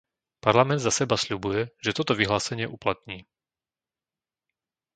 Parlament za seba sľubuje, že toto vyhlásenie uplatní.